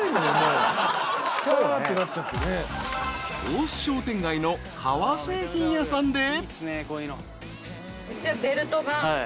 ［大須商店街の革製品屋さんで］